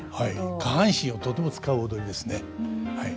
下半身をとても使う踊りですねはい。